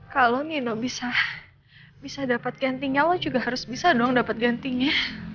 kalau nino bisa dapat gantingnya lo juga harus bisa dong dapat gantingnya